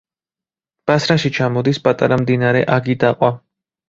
ბასრაში ჩამოდის პატარა მდინარე აგიდაყვა.